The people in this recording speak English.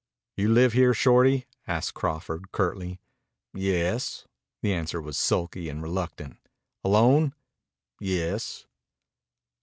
"You live here, Shorty?" asked Crawford curtly. "Yes." The answer was sulky and reluctant. "Alone?" "Yes."